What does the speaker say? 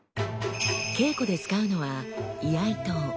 稽古で使うのは居合刀。